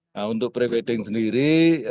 nah untuk pre wedding sendiri